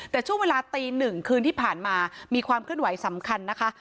แต่ช่วงเวลาตีหนึ่งคืนที่ผ่านมามีความเคลื่อนไหวสำคัญนะคะ